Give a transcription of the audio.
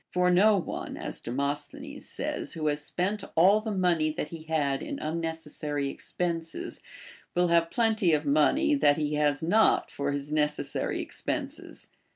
For no one, as Demosthenes says, who has spent all the money that he had in unneces 68 BASHFULNESS. sary expenses, will have plenty of money that he has not for his necessary expenses.